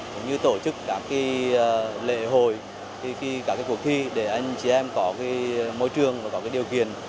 cũng như tổ chức cả cái lễ hồi cả cái cuộc thi để anh chị em có cái môi trường và có cái điều kiện